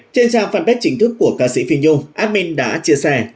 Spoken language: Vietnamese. trên trang fanpage chính thức của ca sĩ phi yong admin đã chia sẻ